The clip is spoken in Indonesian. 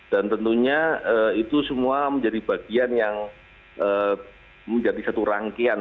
dan tentunya itu semua menjadi bagian yang menjadi satu rangkaian